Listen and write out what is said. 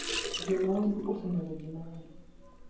Jo maundu osenego jii mangeny